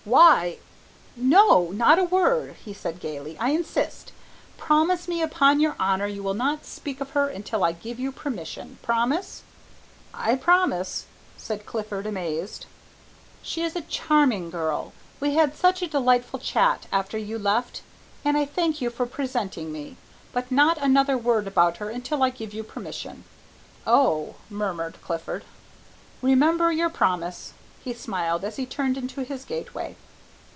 "Why " "No not a word!" he said gaily. "I insist, promise me upon your honour you will not speak of her until I give you permission; promise!" "I promise," said Clifford, amazed. "She is a charming girl, we had such a delightful chat after you left, and I thank you for presenting me, but not another word about her until I give you permission." "Oh," murmured Clifford. "Remember your promise," he smiled, as he turned into his gateway.